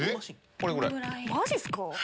マジっすか？